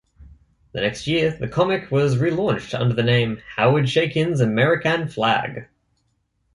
The next year, the comic was re-launched under the name Howard Chaykin's Amerikan Flagg!